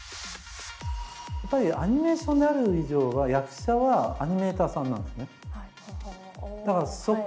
やっぱりアニメーションである以上は役者はアニメーターさんなんですね。